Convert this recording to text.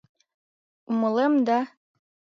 Умылем да...